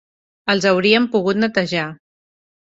Els hauríem pogut netejar